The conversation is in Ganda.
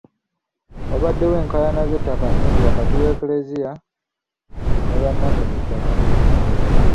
Wabaddewo enkaayana z'ettaka nnyingi wakati w'ekleziya ne bannannyini ttaka.